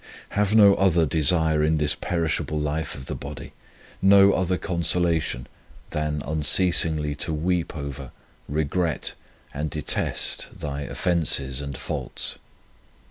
Have no other desire in this perishable life of the body, no 96 The Contempt of Self other consolation than unceasingly to weep over, regret and detest thy offences and faults.